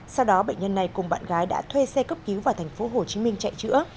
sau đó bệnh nhân này cùng bạn gái đã thuê xe cấp cứu vào thành phố hồ chí minh chạy chữa